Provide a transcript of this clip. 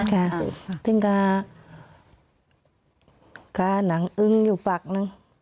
ค่ะซึ่งก็หนังอึ้งอยู่ปากนึง